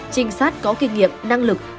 trinh sát có kinh nghiệm năng lực